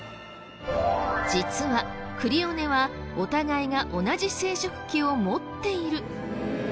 実はクリオネはお互いが同じ生殖器を持っている。